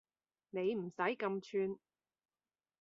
你唔使咁串